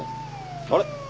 あれ？